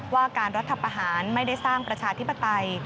ว่าการรัฐประหารไม่ได้สร้างประชาธิปไตย